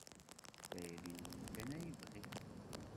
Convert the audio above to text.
D tayri-nwen kan ay bɣiɣ.